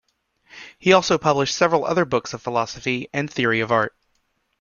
He also published several other books of philosophy and theory of art.